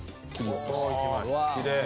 きれい。